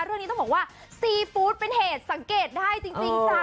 เรื่องนี้ต้องบอกว่าซีฟู้ดเป็นเหตุสังเกตได้จริงจ้า